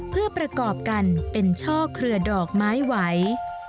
เพื่อประกอบกันเป็นช่อเครือดอกไม้ไหว